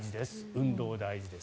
運動大事です。